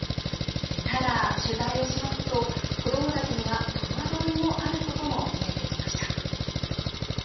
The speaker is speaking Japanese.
ただ、取材をしますと子どもたちには戸惑いもあることも見えてきました。